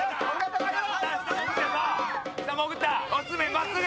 真っすぐ！